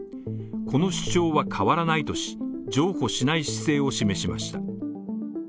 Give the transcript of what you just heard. この主張は変わらないとし譲歩しない姿勢を示しました。